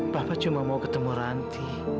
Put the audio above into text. papa cuma mau ketemu ranti